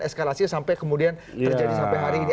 eskalasinya sampai kemudian terjadi sampai hari ini